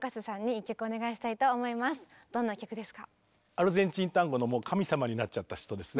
アルゼンチンタンゴのもう神様になっちゃった人ですね。